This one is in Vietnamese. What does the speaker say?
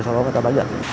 sau đó người ta đã nhận